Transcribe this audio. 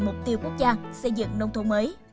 mục tiêu quốc gia xây dựng nông thôn mới